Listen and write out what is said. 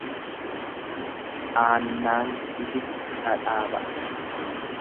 Aannaan itite dhadhaa ba'a.